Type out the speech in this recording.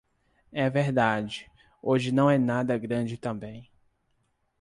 É verdade, hoje não é nada grande também.